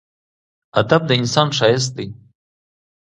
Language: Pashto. ادب د انسان ښایست دی.